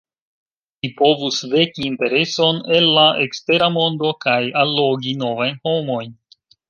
Ĝi povus veki intereson el la ekstera mondo kaj allogi novajn homojn.